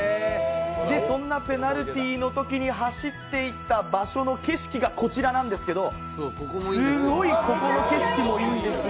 そんなペナルティーのときに走っていた場所の景色がここなんですけどすごい、ここの景色もいいんですよ